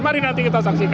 mari nanti kita saksikan